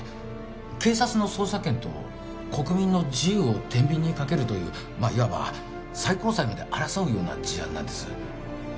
警察の捜査権と国民の自由を天秤にかけるというまあいわば最高裁まで争うような事案なんです